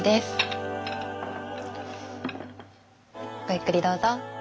ゆっくりどうぞ。